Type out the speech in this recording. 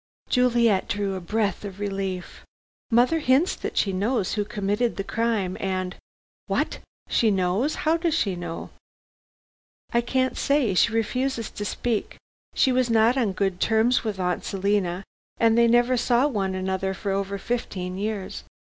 Juliet drew a breath of relief. "Mother hints that she knows who committed the crime, and " "What! She knows. How does she know?" "I can't say. She refuses to speak. She was not on good terms with Aunt Selina and they never saw one another for over fifteen years.